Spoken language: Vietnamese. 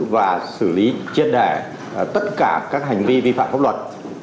và xử lý trên đẻ tất cả các hành vi vi phạm pháp luật